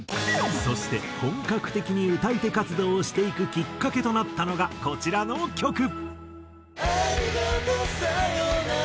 そして本格的に歌い手活動をしていくきっかけとなったのがこちらの曲。